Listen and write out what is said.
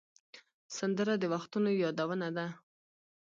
سندره د وختونو یادونه ده